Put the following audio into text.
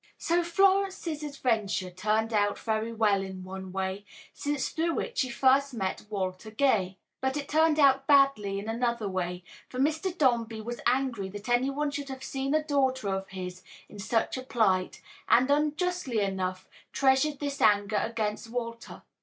So Florence's adventure turned out very well in one way, since through it she first met Walter Gay; but it turned out badly in another way, for Mr. Dombey was angry that any one should have seen a daughter of his in such a plight, and, unjustly enough, treasured this anger against Walter.